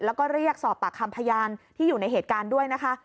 แล้วก็เรียกสอบปากคำพยานที่อยู่ในเหตุการณ์ด้วยนะคะ